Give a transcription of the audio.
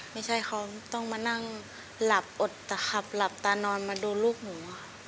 ไม่ใช่เขาต้องมานั่งหลับอดแต่ขับหลับตานอนมาโดนลูกหนูค่ะ